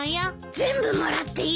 全部もらっていいの？